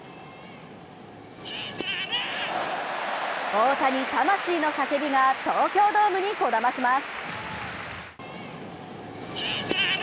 大谷、魂の叫びが東京ドームにこだまします。